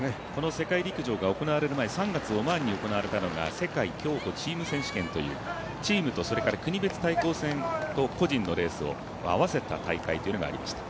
世界陸上が行われる前、３月オマールで行われたのが世界競歩チーム選手権という、チームとそれから国別対抗戦を合わせた大会がありました。